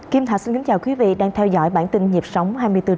kim thạch xin kính chào quý vị đang theo dõi bản tin nhịp sống hai mươi bốn h